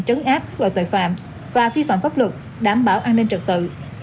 trấn áp các loại tội phạm và phi phạm pháp luật đảm bảo an ninh trực tự